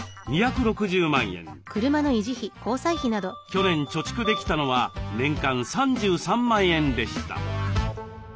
去年貯蓄できたのは年間３３万円でした。